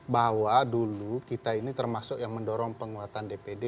bahwa dulu kita ini termasuk yang mendorong penguatan dpd